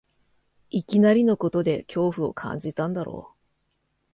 いきなりのことで恐怖を感じたんだろう